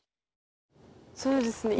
そうですね